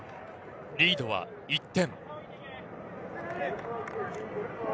リードは１点。